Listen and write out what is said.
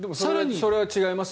それは違います